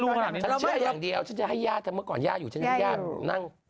ผมเชื่ออย่างเดียวฉันจะให้ย่าแต่เมื่อก่อนย่าอยู่ฉันมีย่านั่ง